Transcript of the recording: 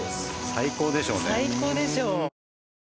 最高でしょう。